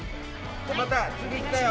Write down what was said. また次行ったよ。